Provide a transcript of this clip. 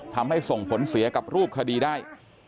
ทำให้ส่งผลเสียกับรูปคดีได้